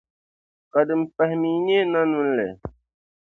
ka din pahi mi nyɛ Nanunli.